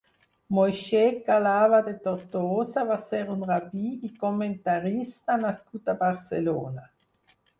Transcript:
Moixé Khalava de Tortosa va ser un rabí i comentarista nascut a Barcelona.